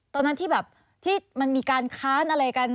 ตอนนั้นที่แบบที่มันมีการค้านอะไรกัน